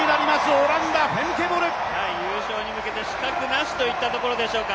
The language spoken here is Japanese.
オランダ、フェムケ・ボル優勝に向けて死角なしといったところでしょうか。